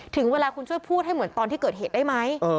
ถึงเวลาคุณช่วยพูดให้เหมือนตอนที่เกิดเหตุได้ไหม